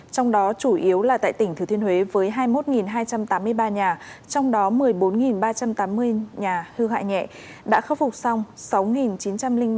trong đó chủ yếu là tại tỉnh thừa thiên huế với hai mươi một hai trăm tám mươi ba nhà trong đó một mươi bốn ba trăm tám mươi nhà hư hại nhẹ đã khắc phục xong